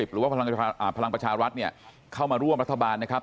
หรือว่าพลังประชารัฐเข้ามาร่วมรัฐบาลนะครับ